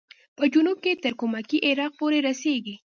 په جنوب کې تر کمکي عراق پورې رسېږي.